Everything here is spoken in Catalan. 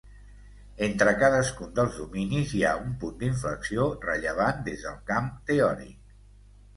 Entre cadascun dels dominis, hi ha un punt d'inflexió rellevant des del camp teòric.